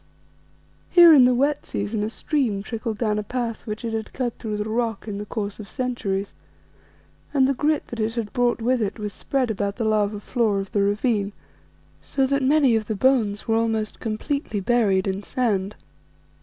Here in the wet season a stream trickled down a path which it had cut through the rock in the course of centuries, and the grit that it had brought with it was spread about the lava floor of the ravine, so that many of the bones were almost completely buried in the sand.